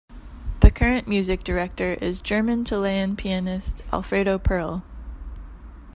The current music director is German-Chilean pianist Alfredo Perl.